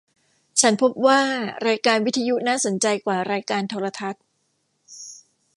ฉันพบว่ารายการวิทยุน่าสนใจว่ารายการโทรทัศน์